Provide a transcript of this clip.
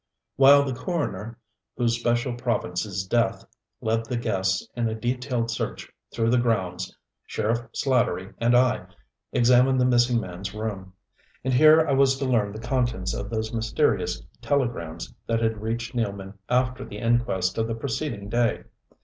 While the coroner, whose special province is death, led the guests in a detailed search through the grounds, Sheriff Slatterly and I examined the missing man's room. And here I was to learn the contents of those mysterious telegrams that had reached Nealman after the inquest of the preceding day.